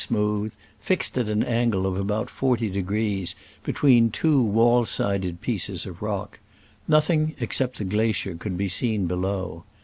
smooth, fixed at an angle of about forty degrees between two wall sided pieces of rock : nothing, except the glacier, could be seen below.